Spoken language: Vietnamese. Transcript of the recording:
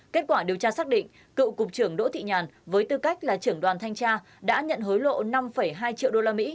kết quả điều tra xác định cựu cục trưởng đỗ thị nhàn với tư cách là trưởng đoàn thanh tra đã nhận hối lộ năm hai triệu usd